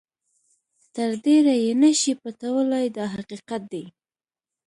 تر ډېره یې نه شئ پټولای دا حقیقت دی.